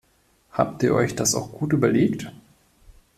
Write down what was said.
Habt ihr euch das auch gut überlegt?